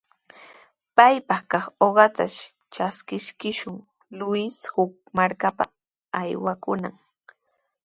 Paypaq kaq uqata traskiskirshi Luis huk markapa aywakunaq.